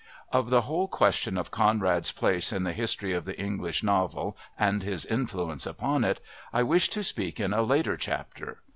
Of the whole question of Conrad's place in the history of the English novel and his influence upon it I wish to speak in a later chapter.